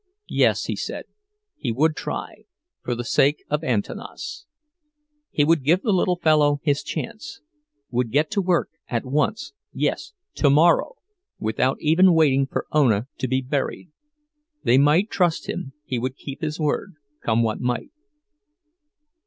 Yes, he said, he would try, for the sake of Antanas. He would give the little fellow his chance—would get to work at once, yes, tomorrow, without even waiting for Ona to be buried. They might trust him, he would keep his word, come what might.